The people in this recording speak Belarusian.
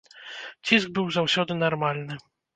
Ціск быў заўсёды нармальны.